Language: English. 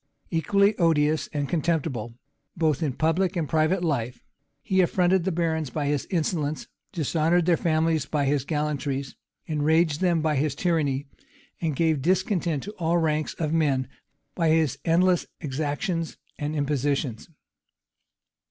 Equally odious and contemptible, both in public and private life, he affronted the barons by his insolence, dishonored their families by his gallantries, enraged them by his tyranny, and gave discontent to all ranks of men by his endless exactions and impositions.